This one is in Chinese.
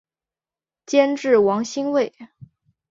监制王心慰。